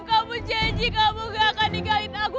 kamu janji kamu gak akan digalit aku